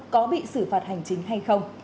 có bị xử phạt hành chính hay không